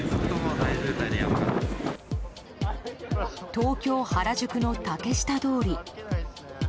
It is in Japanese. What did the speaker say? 東京・原宿の竹下通り。